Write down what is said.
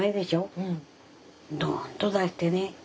ドーンと出してね